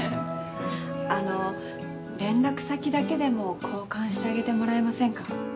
あの連絡先だけでも交換してあげてもらえませんか？